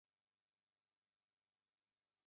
加盖福毛加位于萨瓦伊岛北部。